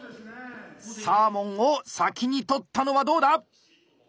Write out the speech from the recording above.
サーモンを先に取ったのはどうだ？